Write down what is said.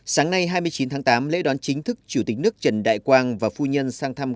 sáng nay hai mươi chín tháng tám lễ đón chính thức chủ tịch nước trần đại quang và phu nhân sang thăm